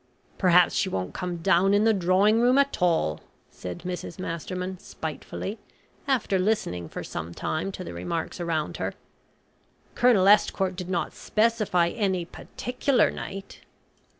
"Perhaps she won't come down in the drawing room at all," said Mrs Masterman spitefully, after listening for some time to the remarks around her. "Colonel Estcourt did not specify any particular night."